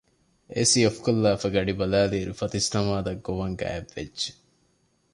އޭސީ އޮފްކޮށްލާފައި ގަޑިބަލައިލިއިރު ފަތިސްނަމާދަށް ގޮވަން ގާތްވެއްޖެ